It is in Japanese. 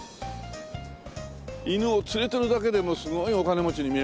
犬を連れてるだけでもすごいお金持ちに見えますもんね。